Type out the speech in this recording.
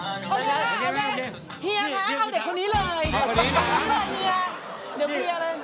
คุณฟังผมแป๊บนึงนะครับ